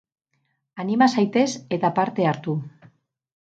Anima zaitez eta parte hartu.